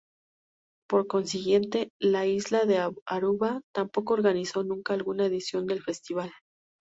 Por consiguiente, la isla de Aruba tampoco organizó nunca alguna edición del festival.